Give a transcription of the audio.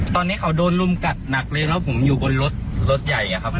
ตอนนี้เขาโดนรุมกัดหนักเลยแล้วผมอยู่บนรถรถใหญ่อะครับ